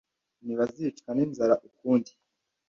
Ntibazicwa n’inzara ukundi,